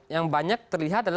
yang banyak terlihat